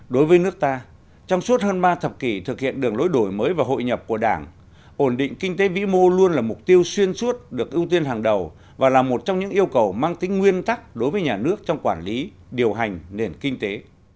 đối với nước ta trong suốt hơn ba thập kỷ thực hiện đường lối đổi mới và hội nhập của đảng ổn định kinh tế vĩ mô luôn là mục tiêu xuyên suốt được ưu tiên hàng đầu và là một trong những yêu cầu mang tính nguyên tắc đối với nhà nước trong quản lý điều hành nền kinh tế